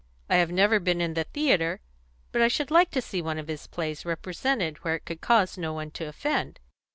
"I have never been in the theatre; but I should like to see one of his plays represented where it could cause no one to offend."